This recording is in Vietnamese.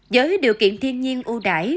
với điều kiện thiên nhiên ưu đải